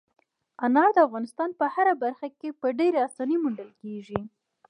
انار د افغانستان په هره برخه کې په ډېرې اسانۍ موندل کېږي.